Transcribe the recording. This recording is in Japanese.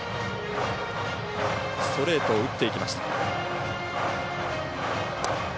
ストレートを打っていきました。